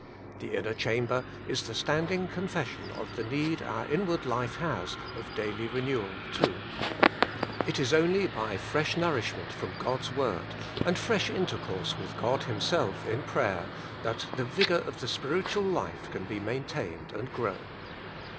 The inner chamber is the standing confession of the Need Our Inward Life Has of Daily Kenewal too. It is only by ■, fresh nourishment from God's Word, and fresh intercourse with God Himself in prayer, that the vigour of the spiritual life can be maintained and ^ii^ ot c^v^ grow.